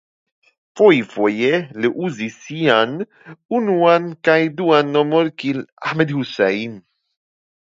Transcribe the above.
Fojfoje li uzis siajn unuan kaj duan nomojn kiel Ahmed Hussein.